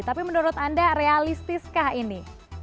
tapi menurut anda realistiskah ini